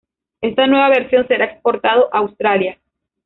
Esta nueva versión será exportado a Australia.